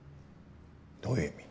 どういう意味？